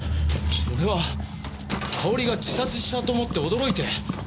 俺はかおりが自殺したと思って驚いて。